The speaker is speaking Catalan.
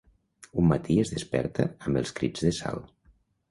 Un matí es desperta amb els crits de Sal.